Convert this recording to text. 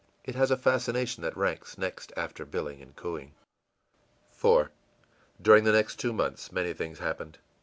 It has a fascination that ranks next after billing and cooing. IV During the next two months many things happened.